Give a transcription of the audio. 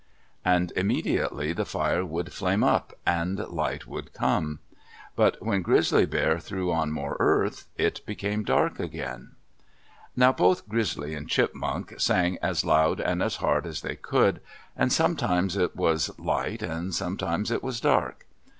And immediately the fire would flame up and light would come; but when Grizzly Bear threw on more earth it became dark again. Now both Grizzly and Chipmunk sang as loud and as hard as they could, and sometimes it was light and sometimes it was dark.